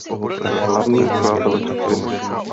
Je hlavním skladatelem skupiny.